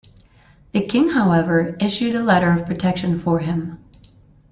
The king, however, issued a letter of protection for him.